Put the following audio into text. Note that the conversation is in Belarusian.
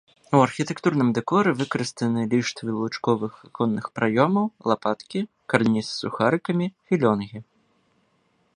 У архітэктурным дэкоры выкарыстаны ліштвы лучковых аконных праёмаў, лапаткі, карніз з сухарыкамі, філёнгі.